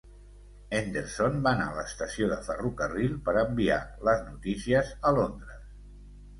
Henderson va anar a l'estació de ferrocarril per enviar les notícies a Londres.